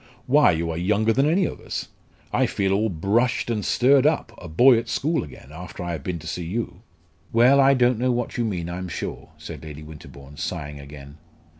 "Why, you are younger than any of us! I feel all brushed and stirred up a boy at school again after I have been to see you!" "Well, I don't know what you mean, I'm sure," said Lady Winterbourne, sighing again.